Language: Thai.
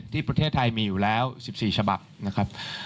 ที่ประเทศไทยมีอยู่แล้ว๑๔ฉบับนะครับ